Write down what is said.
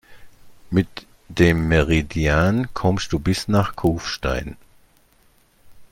Mit dem Meridian kommst du bis nach Kufstein.